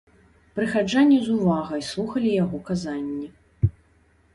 Прыхаджане з увагай слухалі яго казанні.